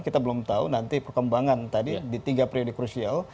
kita belum tahu nanti perkembangan tadi di tiga periode krusial